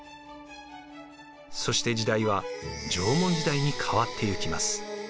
そして時代は縄文時代に変わっていきます。